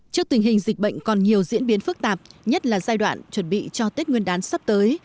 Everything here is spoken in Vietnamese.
trước tình hình dịch bệnh còn nhiều diễn biến phức tạp nhất là giai đoạn chuẩn bị cho tết nguyên đán sắp tới